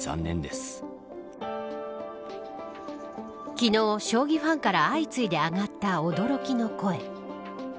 昨日、将棋ファンから相次いで上がった驚きの声。